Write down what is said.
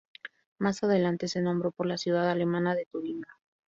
Más adelante se nombró por la ciudad alemana de Tubinga.